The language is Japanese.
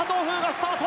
スタート